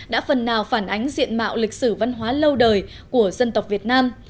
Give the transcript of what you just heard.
đã phần nào phản ánh diện mạo lịch sử văn hóa lâu đời của dân tộc việt nam